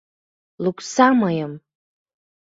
Лукса мыйым!..